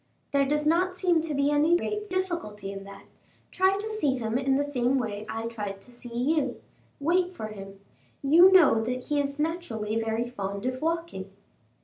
"There does not seem to be any great difficulty in that; try to see him in the same way I tried to see you; wait for him; you know that he is naturally very fond of walking."